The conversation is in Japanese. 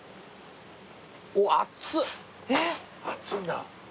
熱いんだ。